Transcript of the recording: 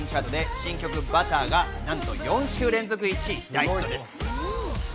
新曲『Ｂｕｔｔｅｒ』がなんと４週連続１位、大ヒットです。